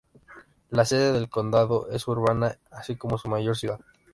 La sede del condado es Urbana, así como su mayor ciudad.